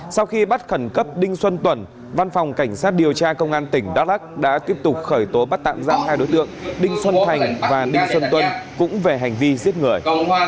sau khi bắt khẩn cấp đinh xuân tùng văn phòng cảnh sát điều tra công an tỉnh đắk lắc đã tiếp tục khởi tố bắt tạm giam hai đối tượng đinh xuân thành và đinh xuân tuân cũng về hành vi giết người